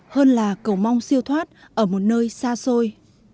hơn là cầu mong siêu thoát ở một nơi xa xôi